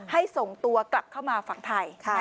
ส่งตัวกลับเข้ามาฝั่งไทย